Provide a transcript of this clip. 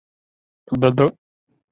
圣拉斐尔还拥有四处海水浴场。